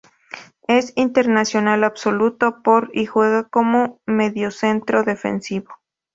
Es internacional absoluto por y juega como mediocentro defensivo.